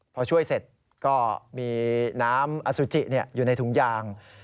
พอช่วยเสร็จก็มีน้ำอสุจิอยู่ในถุงยาง